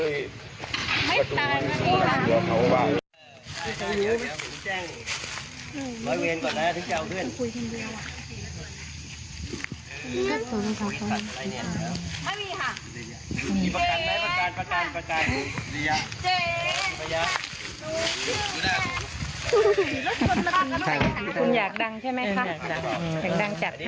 อยากดังใช่ไหมคะอยากดังจัด